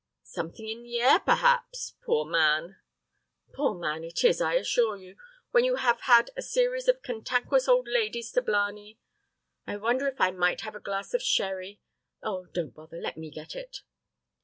"Something in the air, perhaps. Poor man!" "Poor man, it is, I assure you, when you have had a series of cantankerous old ladies to blarney. I wonder if I might have a glass of sherry? Oh, don't bother, let me get it."